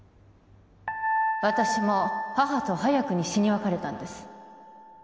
私も母と早くに死に別れたんです